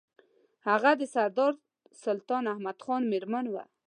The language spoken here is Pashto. هغه د سردار سلطان احمد خان مېرمن وه.